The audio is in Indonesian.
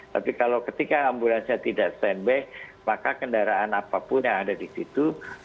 tapi kalau ketika ambulansnya tidak stand by maka kendaraan apapun yang ada di situ